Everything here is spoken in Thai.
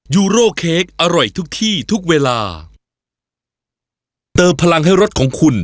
ยูโร่เค้กอร่อยทุกที่ทุกเวลาเติมพลังให้รสของคุณ